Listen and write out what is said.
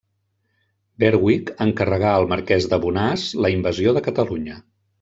Berwick encarregà al marquès de Bonàs la invasió de Catalunya.